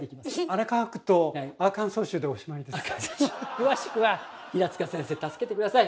詳しくは平塚先生助けて下さい。